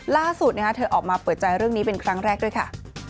ล่าสุดเธอออกมาเปิดใจเรื่องนี้เป็นครั้งแรกด้วยค่ะ